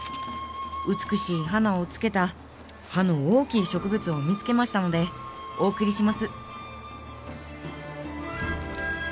美しい花をつけた葉の大きい植物を見つけましたのでお送りします」。